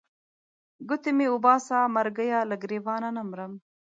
ګوتې مې وباسه مرګیه له ګرېوانه نه مرم.